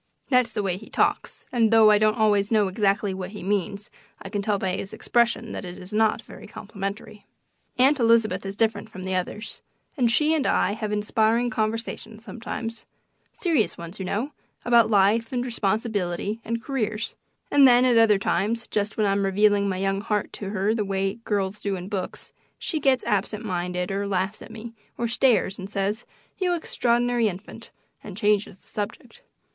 That's the way he talks, and though I don't always know exactly what he means I can tell by his expression that it is not very complimentary. Aunt Elizabeth is different from the others, and she and I have inspiring conversations sometimes serious ones, you know, about life and responsibility and careers; and then, at other times, just when I'm revealing my young heart to her the way girls do in books, she gets absent minded or laughs at me, or stares and says, "You extraordinary infant," and changes the subject.